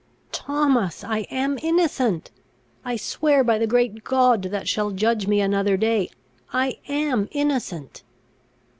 "Thomas, I am innocent! I swear by the great God that shall judge me another day, I am innocent!"